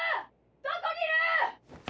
どこにいる！！